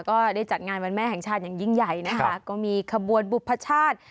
ก็ได้จัดงานวันแม่แห่งชาติอย่างยิ่งใหญ่นะคะก็มีขบวนบุพชาติ